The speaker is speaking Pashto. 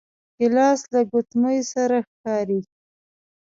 ګیلاس له ګوتمې سره ښکاري.